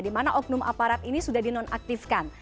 dimana oknum aparat ini sudah di nonaktifkan